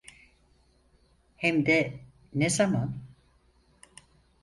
Hem de ne zaman?